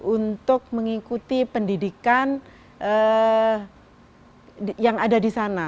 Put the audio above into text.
untuk mengikuti pendidikan yang ada di sana